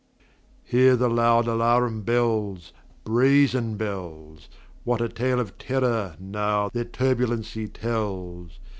Hear the loud alarum bells, Brazen bells! What a tale of terror, now, their turbulency tells!